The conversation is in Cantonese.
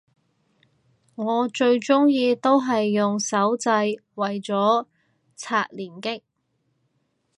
我最鍾意都係用手掣為咗刷連擊